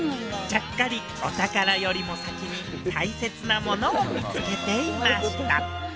ちゃっかりお宝よりも先に大切なものを見つけていました